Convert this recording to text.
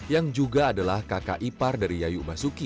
yang juga adalah kakak ipar dari yayu basuki